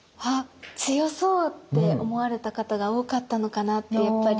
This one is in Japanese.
強そうって思われた方が多かったのかなってやっぱり。